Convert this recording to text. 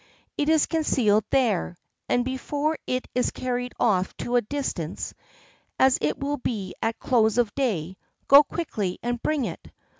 It is concealed there, and before it is carried off to a distance, as it will be at close of day, go quickly and bring it."